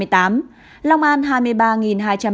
tỉnh giang một mươi một trăm ba mươi sáu